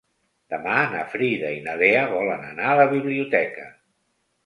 Demà na Frida i na Lea volen anar a la biblioteca.